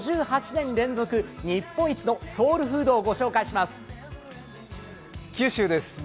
５８年連続日本一のソウルフードをご紹介します。